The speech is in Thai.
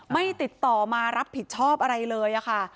ไม่ติดต่อมารับผิดชอบอะไรเลยค่ะ